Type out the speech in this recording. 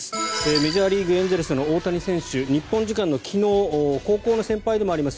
メジャーリーグ、エンゼルスの大谷選手、日本時間の昨日高校の先輩でもあります